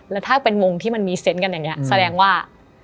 แล้วถ้าเป็นวงที่มันมีเซนต์กันอย่างนี้แสดงว่า